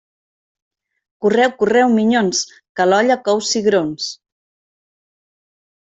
Correu, correu, minyons, que l'olla cou cigrons.